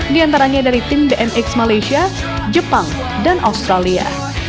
di antaranya dari tim bmx malaysia jepang dan australia